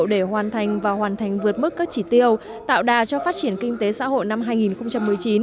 để hoàn thành và hoàn thành vượt mức các chỉ tiêu tạo đà cho phát triển kinh tế xã hội năm hai nghìn một mươi chín